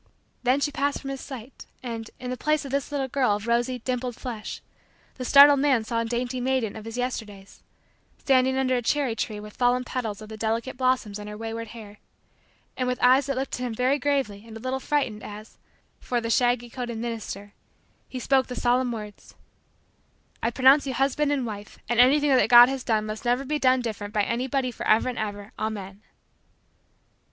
Then she passed from his sight and, in place of this little girl of rosy, dimpled, flesh, the startled man saw a dainty maiden of his Yesterdays, standing under a cherry tree with fallen petals of the delicate blossoms in her wayward hair, and with eyes that looked at him very gravely and a little frightened as, for the shaggy coated minister, he spoke the solemn words: "I pronounce you husband and wife and anything that God has done must never be done any different by anybody forever and ever, Amen."